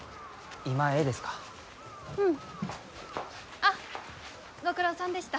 あっご苦労さんでした。